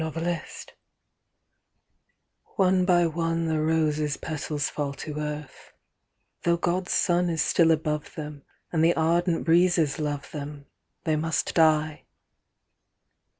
ROSES FALL One by one the roses' petals fall to earth; Though God's sun is still above them, And the ardent breezes love them They must die.